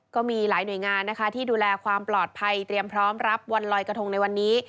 ก็มีหลายหน่วยงานนะคะที่ดูแลความปลอดภัยเตรียมพร้อมรับวันลอยกระทงในวันนี้